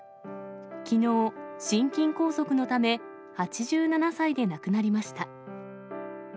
きのう、心筋梗塞のため、８７歳で亡くなりました。